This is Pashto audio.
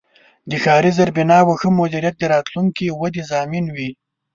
د ښاري زیربناوو ښه مدیریت د راتلونکې ودې ضامن دی.